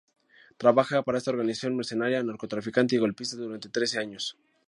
Trabaja para esta organización mercenaria, narcotraficante y golpista durante trece años.